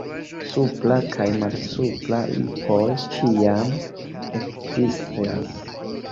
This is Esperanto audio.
Supra kaj malsupra lipoj ĉiam ekzistas.